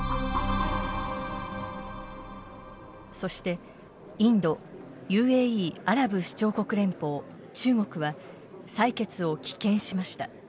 そして、インドＵＡＥ＝アラブ首長国連邦中国は採決を棄権しました。